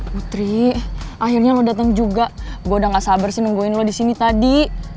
putri akhirnya lo datang juga gue udah gak sabar sih nungguin lo disini tadi